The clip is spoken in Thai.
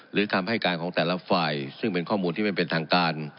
คำให้การของแต่ละฝ่ายซึ่งเป็นข้อมูลที่ไม่เป็นทางการ